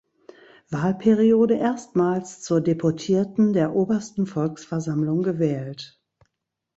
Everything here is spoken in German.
Wahlperiode erstmals zur Deputierten der Obersten Volksversammlung gewählt.